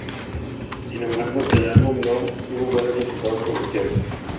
Sin embargo, el álbum no tuvo buenos resultados comerciales.